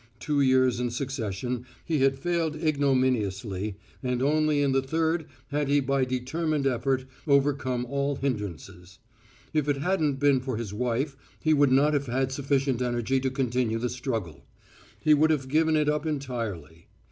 Two years in succession he had failed ignominiously, and only in the third had he by determined effort overcome all hindrances. If it hadn't been for his wife he would not have had sufficient energy to continue the struggle; he would have given it up entirely.